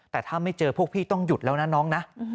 แต่ถ้าไม่เจอพวกพี่ต้องหยุดแล้วนะน้องนะ